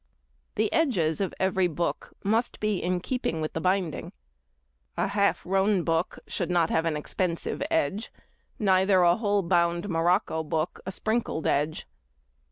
The edges of every book must be in keeping with the binding. A half roan book should not have an expensive edge, neither a whole bound morocco book a sprinkled edge.